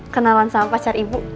kenalan sama pacar ibu